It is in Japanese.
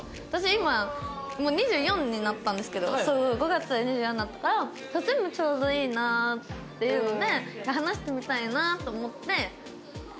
今もう２４になったんですけど５月で２４になったから年もちょうどいいなっていうので話してみたいなと思ってって感じです。